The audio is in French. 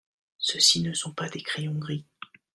Ceux-ci ne sont pas des crayons gris.